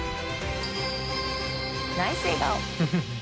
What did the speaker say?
ナイス笑顔。